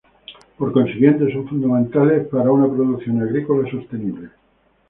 Por consiguiente, son fundamentales para una producción agrícola sostenible.